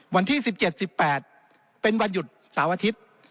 วันที่๑๗๑๘เป็นวันหยุดเสาร์อาทิตย์